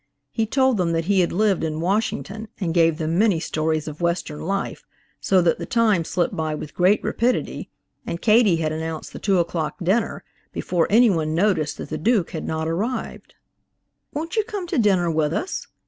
He told them that he had lived in Wash ington, and gave them many stories of Western life, so that the time slipped by with great rapidity, and Katie had announced the two o'clock dinner, before anyone noticed that the Duke had not arrived. "Won't you come to dinner with us?"